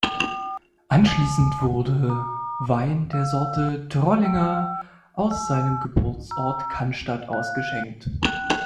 Anschließend wurde Wein der Sorte Trollinger aus seinem Geburtsort Cannstatt ausgeschenkt.